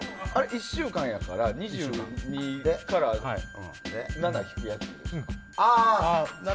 １週間やから２２から７引くやつ。